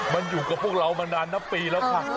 มันอยู่กับพวกเรามานานนับปีแล้วค่ะ